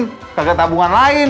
gak ada tabungan lain